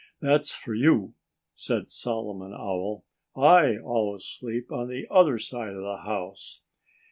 "That's for you!" said Solomon Owl. "I always sleep on the other side of the house."